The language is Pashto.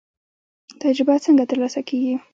تجربه څنګه ترلاسه کیږي؟